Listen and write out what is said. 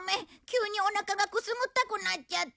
急にお腹がくすぐったくなっちゃって。